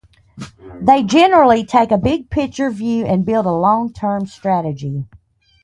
They generally take a big-picture view and build a long-term strategy.